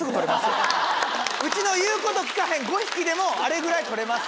うちの言うこと聞かへん５匹でもあれぐらい撮れます。